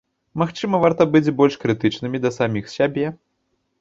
Магчыма, варта быць больш крытычнымі да саміх сябе?